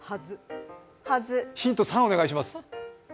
ヒント３、お願いします。